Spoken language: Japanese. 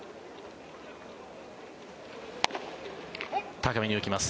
高めに浮きます